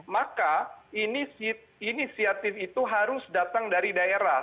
maka inisiatif itu harus datang dari daerah